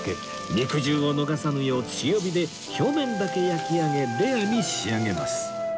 肉汁を逃さぬよう強火で表面だけ焼き上げレアに仕上げます